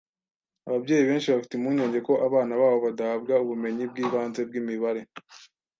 Ababyeyi benshi bafite impungenge ko abana babo badahabwa ubumenyi bwibanze bwimibare